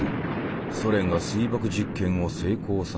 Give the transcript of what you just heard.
ソ連が水爆実験を成功させた。